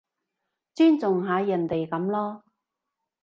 尊重下人哋噉囉